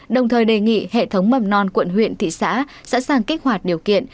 đồng thời đề nghị hệ thống mầm non quận huyện thị xã sẵn sàng kích hoạt điều kiện